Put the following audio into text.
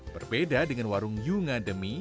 berbeda dengan warung yunga demi